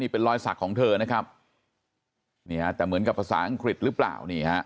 เป็นรอยสักของเธอนะครับนี่ฮะแต่เหมือนกับภาษาอังกฤษหรือเปล่า